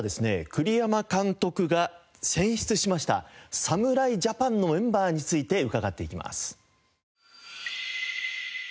栗山監督が選出しました侍ジャパンのメンバーについて伺っていきます。